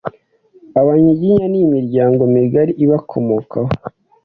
Abanyiginya n’imiryango migari ibakomokaho,